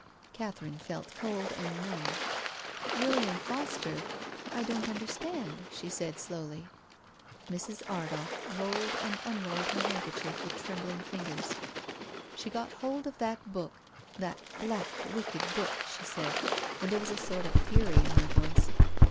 Catherine felt cold and numb. " William Foster — I don't understand," she said slowly. Mrs. Ardagh rolled and unrolled her handker chief with trembling fingers. " She got hold of that book — that black, wicked book," she said, and there was a sort of fury in her voice.